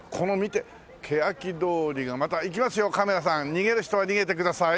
逃げる人は逃げてください。